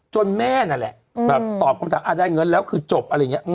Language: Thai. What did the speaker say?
แม่นั่นแหละแบบตอบคำถามได้เงินแล้วคือจบอะไรอย่างนี้